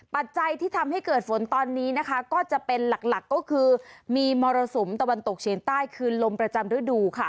ปัจจัยที่ทำให้เกิดฝนตอนนี้นะคะก็จะเป็นหลักก็คือมีมรสุมตะวันตกเฉียงใต้คือลมประจำฤดูค่ะ